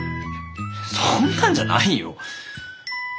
そんなんじゃないよ。